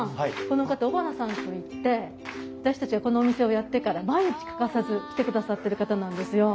この方尾花さんといって私たちがこのお店をやってから毎日欠かさず来てくださってる方なんですよ。